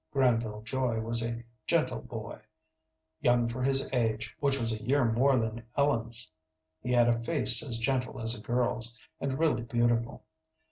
Granville Joy was a gentle boy, young for his age, which was a year more than Ellen's. He had a face as gentle as a girl's, and really beautiful.